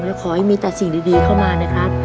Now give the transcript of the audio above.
และขอให้มีแต่สิ่งดีเข้ามานะครับ